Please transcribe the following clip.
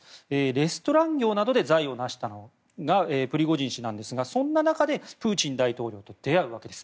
レストラン業などで財をなしたのがプリゴジン氏ですがそんな中でプーチン大統領と出会うわけです。